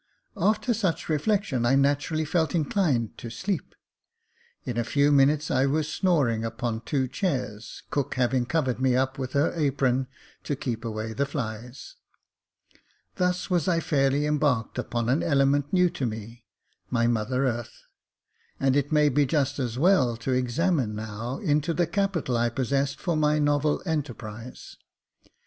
After such reflection I naturally felt inclined to sleep ; in a few minutes I was snoring upon two chairs, cook having covered me up with her apron to keep away the flies. Thus was I fairly embarked upon an element new to me — my mother earth ; and it may be just as well to examine now into the capital I possessed for my novel enterprise.